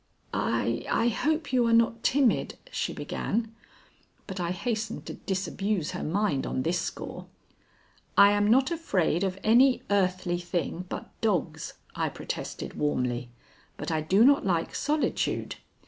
"I I hope you are not timid," she began, but I hastened to disabuse her mind on this score. "I am not afraid of any earthly thing but dogs," I protested warmly. "But I do not like solitude.